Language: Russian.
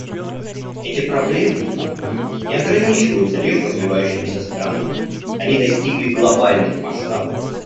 Эти проблемы, однако, не ограничиваются лишь развивающимися странами; они достигли глобальных масштабов.